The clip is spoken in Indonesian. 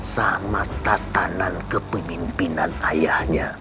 sama tatanan kepemimpinan ayahnya